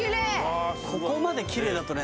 ここまでキレイだとね